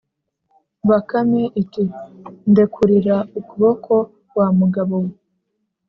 bakame iti: “ndekurira ukuboko wa mugabo we!”